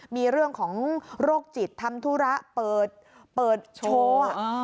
มีเรื่องของโรคจิตทำธุระเปิดโชว์